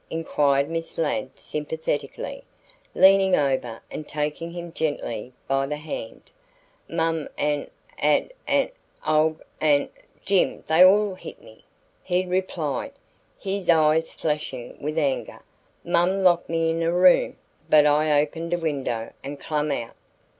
inquired Miss Ladd sympathetically, leaning over and taking him gently by the hand. "Mom an' Ad. an' Olg. an' Jim they all hit me," he replied, his eyes flashing with anger. "Mom locked me in a room, but I opened a window an' clum out."